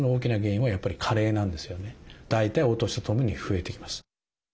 大体お年とともに増えてきます。